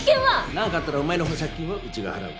なんかあったらお前の保釈金はうちが払う。